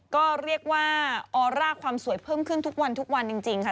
ก็เรียกว่าออร่าความสวยเพิ่มขึ้นทุกวันทุกวันจริงค่ะ